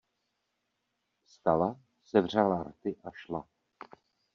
Vstala, sevřela rty a šla.